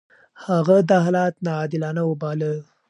هغه دا حالت ناعادلانه وباله.